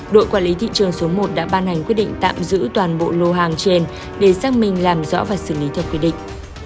đội quản lý thị trường số một đã ban hành quyết định tạm giữ toàn bộ lô hàng trên để xác minh làm rõ và xử lý theo quy định